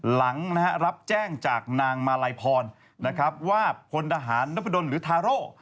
หลังรับแจ้งจากนางมาลัยพรว่าคนทหารนพดนหรือทารโร